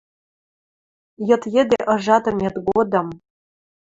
Йыд йӹде ыжатымет годым!..